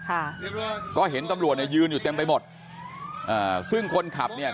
ค่ะก็เห็นตำรวจเนี่ยยืนอยู่เต็มไปหมดอ่าซึ่งคนขับเนี่ย